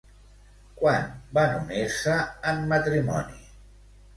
Quan van unir-se en matrimoni?